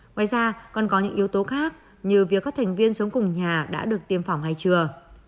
ngoài ra còn có những yếu tố khác như việc các thành viên sống cùng nhà đã được tiêm phòng ngay trưa